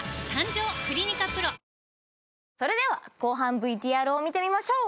それでは後半ＶＴＲを見てみましょう。